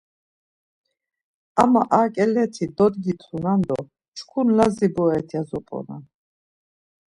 Ama ar ǩeleti dodgitunan do ‘çkun Lazi boret’ ya zop̌onan.